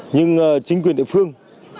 nhưng chính quyền địa phương